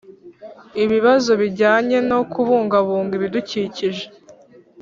ibibazo bijyanye no kubungabunga ibidukikije